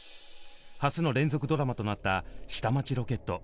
初の連続ドラマとなった「下町ロケット」。